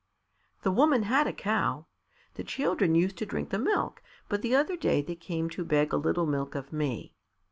"The woman had a cow. The children used to drink the milk, but the other day they came to beg a little milk of me.